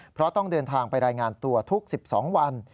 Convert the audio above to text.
เพราะต้องเดินทางไปรายงานตัวทุก๑๒วัน